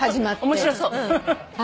面白そう。